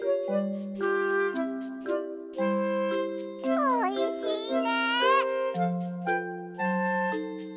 おいしいね。